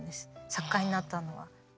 作家になったのは。